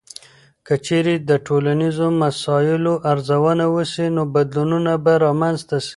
که چیرې د ټولنیزو مسایلو ارزونه وسي، نو بدلونونه به رامنځته سي.